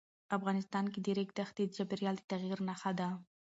افغانستان کې د ریګ دښتې د چاپېریال د تغیر نښه ده.